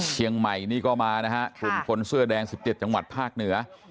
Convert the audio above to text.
เชียงใหม่นี่ก็มานะฮะกลุ่มคนเสื้อแดง๑๗จังหวัดภาคเหนือ